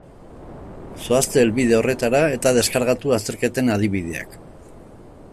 Zoazte helbide horretara eta deskargatu azterketen adibideak.